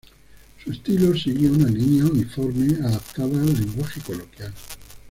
Su estilo sigue una línea uniforme adaptada al lenguaje coloquial.